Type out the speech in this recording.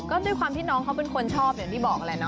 ก็ด้วยความที่น้องเขาเป็นคนชอบอย่างที่บอกแหละเน